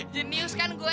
jenius kan gue